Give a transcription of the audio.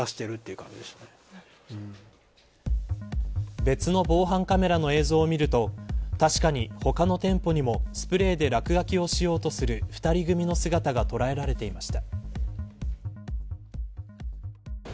別の防犯カメラの映像を見ると確かに、他の店舗にもスプレーで落書きをしようとする２人組の姿が捉えられていました。